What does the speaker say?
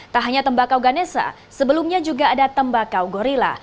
tak hanya tembakau ganesa sebelumnya juga ada tembakau gorilla